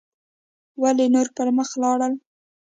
ولې نور پر مخ لاړل